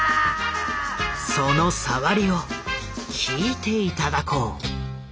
そのさわりを聴いて頂こう。